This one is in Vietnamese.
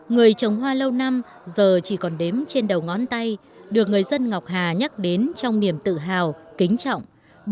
người trồng hoa lâu năm giờ chỉ còn đếm trên đầu ngón tay được người dân ngọc hà nhắc đến trong niềm tự hào kính trọng